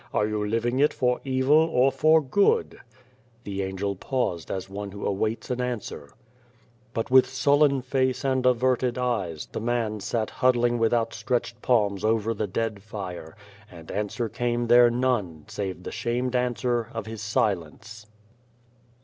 Are you living it for evil or for good ?'' The Angel paused as one who awaits an answer. 88 Beyond the Door But with sullen face and averted eyes the man sat huddling with outstretched palms over the dead fire, and answer came there none save the shamed answer of his silence.